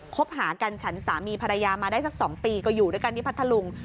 คบหากันฉันสามีภรรยามาได้สัก๒ปีก็อยู่ด้วยกันที่พัทธลุง